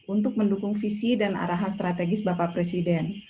untuk mendukung visi dan arahan strategis bapak presiden